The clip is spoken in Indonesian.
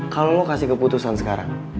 kalau lo kasih keputusan sekarang